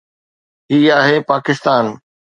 هي آهي پاڪستان.